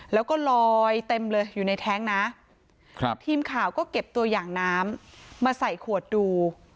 แล้วก็ลอยเต็มเลยอยู่ในแท้งนะทีมข่าวก็เก็บตัวอย่างน้ำมาใส่ขวดดู